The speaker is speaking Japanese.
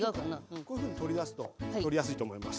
こういうふうに取り出すと取りやすいと思います。